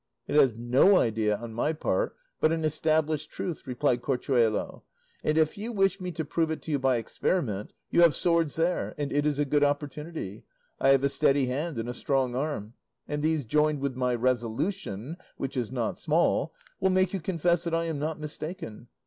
"It is no idea on my part, but an established truth," replied Corchuelo; "and if you wish me to prove it to you by experiment, you have swords there, and it is a good opportunity; I have a steady hand and a strong arm, and these joined with my resolution, which is not small, will make you confess that I am not mistaken.